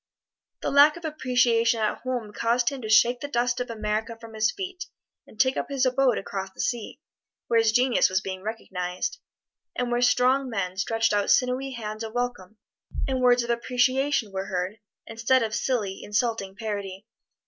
The lack of appreciation at home caused him to shake the dust of America from his feet and take up his abode across the sea, where his genius was being recognized, and where strong men stretched out sinewy hands of welcome, and words of appreciation were heard, instead of silly, insulting parody.